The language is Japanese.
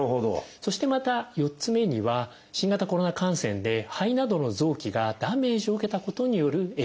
そしてまた４つ目には新型コロナ感染で肺などの臓器がダメージを受けたことによる影響と。